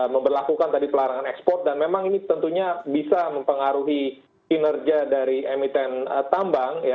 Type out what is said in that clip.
memperlakukan tadi pelarangan ekspor dan memang ini tentunya bisa mempengaruhi kinerja dari emiten tambang